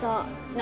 何？